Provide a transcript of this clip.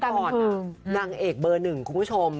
คือเมื่อก่อนน่ะนางเอกเบอร์หนึ่งคุณผู้ชม